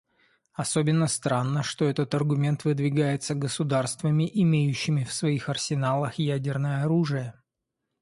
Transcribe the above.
Особенно странно, что этот аргумент выдвигается государствами, имеющими в своих арсеналах ядерное оружие.